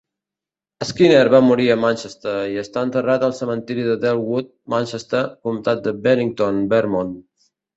Skinner va morir a Manchester i està enterrat al cementiri de Dellwood, Manchester, Comtat de Bennington, Vermont.